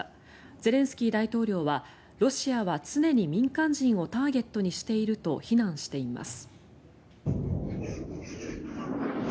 ゼレンスキー大統領はロシアは、常に民間人をターゲットにしていると非難しています。